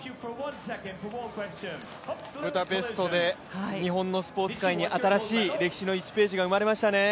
ブダペストで日本のスポーツ界に新しい歴史の１ページが生まれましたね。